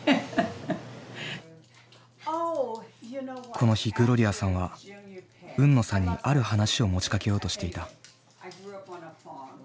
この日グロリアさんは海野さんにある話を持ちかけようとしていた。